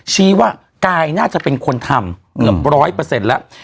ชี้ว่ากายน่าจะเป็นคนทำเกือบ๑๐๐แล้ว